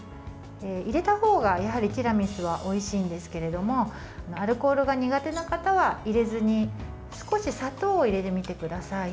入れた方が、やはりティラミスはおいしいんですけれどもアルコールが苦手な方は入れずに少し砂糖を入れてみてください。